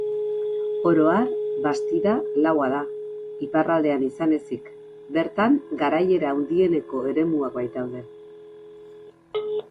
Oro har, Bastida laua da, iparraldean izan ezik, bertan garaiera handieneko eremuak baitaude.